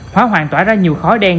hóa hoạn tỏa ra nhiều khói đen